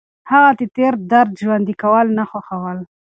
هغه د تېر درد ژوندي کول نه خوښول.